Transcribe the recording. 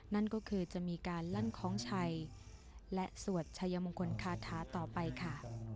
นั่นก็คือจะมีการลั่นคล้องชัยและสวดชัยมงคลคาถาต่อไปค่ะ